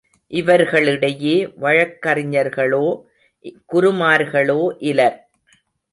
இவர்களிடையே வழக்கறிஞர்களோ குருக்கள்மார்களோ இலர்.